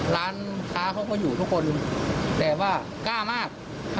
ร้านค้าเขาก็อยู่ทุกคนแต่ว่ากล้ามาก